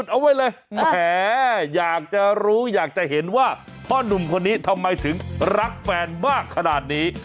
เอาไว้เลยแหมอยากจะรู้อยากจะเห็นว่าพ่อนุ่มคนนี้ทำไมถึงรักแฟนมากขนาดนี้